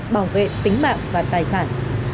bảo vệ tính mạng và tài sản